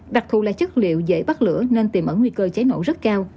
đặc thù là chất liệu dễ bắt lửa nên tìm ẩn nguy cơ cháy nổ rất cao